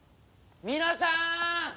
皆さん！